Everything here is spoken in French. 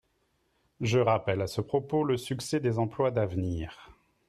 Je rappelle à ce propos le succès des emplois d’avenir.